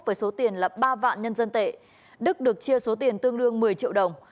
với số tiền là ba vạn nhân dân tệ đức được chia số tiền tương đương một mươi triệu đồng